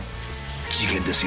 事件ですよ。